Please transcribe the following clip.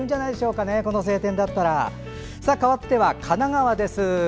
かわっては神奈川です。